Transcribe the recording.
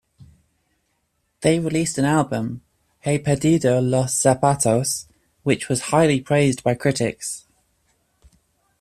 They released an album, "He Perdido Los Zapatos", which was highly praised by critics.